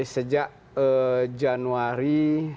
sejak januari dua ribu delapan belas